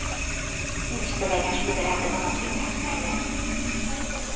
Nincs szöveges magyarázat a matricák mellett.